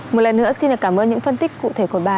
một lần nữa xin cảm ơn những phân tích cụ thể của bà